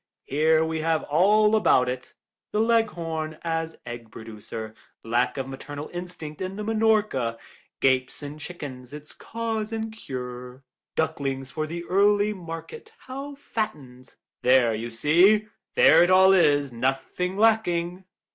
Here we have all about it: 'The Leghorn as egg producer. Lack of maternal instinct in the Minorca. Gapes in chickens, its cause and cure. Ducklings for the early market, how fattened.' There, you see, there it all is, nothing lacking."